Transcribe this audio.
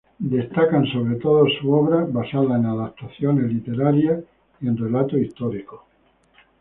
Destacan sobre todo sus obras basadas en adaptaciones literarias, y sus relatos históricos.